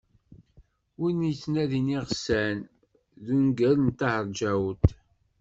"Wid yettnadin iɣsan" d ungal n Ṭaher Ǧaɛut.